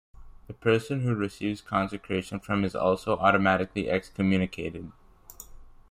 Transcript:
The person who receives consecration from him is also automatically excommunicated.